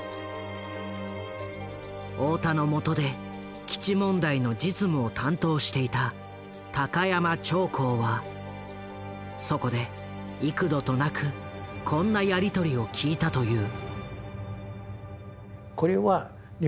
大田のもとで基地問題の実務を担当していた高山朝光はそこで幾度となくこんなやり取りを聞いたという。